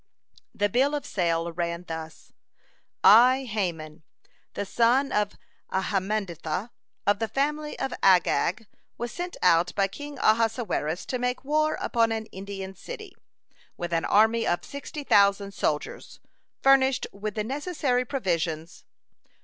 The bill of sale ran thus: "I, Haman, the son of Hammedatha of the family of Agag, was sent out by King Ahasuerus to make war upon an Indian city, with an army of sixty thousand soldiers, furnished with the necessary provisions.